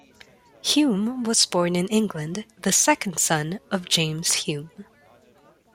Hume was born in England, the second son of James Hume.